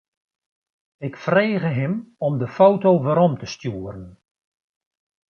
Ik frege him om de foto werom te stjoeren.